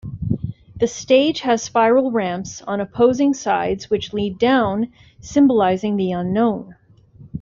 The stage has spiral ramps on opposing sides which lead down, symbolizing the unknown.